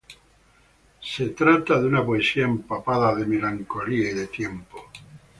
Se trata de una poesía empapada de melancolía y de tiempo.